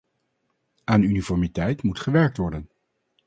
Aan uniformiteit moet gewerkt worden.